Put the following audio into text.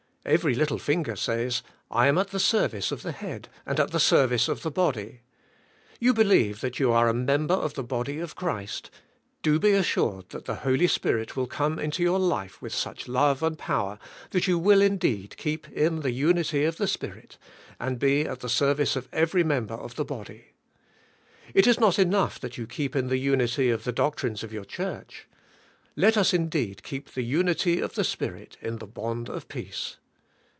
Every little fin ger says, *' I am at the service of the head and at the service of the body." You believe that j^ou are a member of the body of Christ, do be assured that the Holy Spirit will come into your life with such love and power that you will indeed keep in the unity of the Spirit, and be at the service of every member of the body. It is not enough that you keep in the unity of the doctrines of your church. Let us indeed keep the unity of the Spirit in the bond of peace!